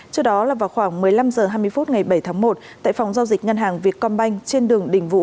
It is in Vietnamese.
trước đó là vào khoảng một mươi năm h hai mươi phút ngày bảy tháng một tại phòng giao dịch ngân hàng việt công banh trên đường đình vũ